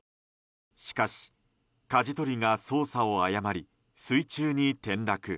しかし、かじ取りが操作を誤り水中に転落。